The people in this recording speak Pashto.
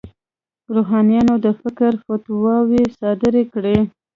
روحانیونو د کفر فتواوې صادرې کړې.